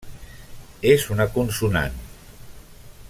És una consonant.